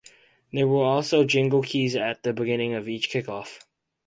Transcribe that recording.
They will also jingle keys at the beginning of each kickoff.